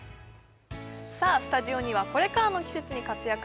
さあスタジオにはこれからの季節に活躍する